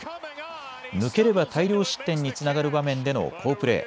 抜ければ大量失点につながる場面での好プレー。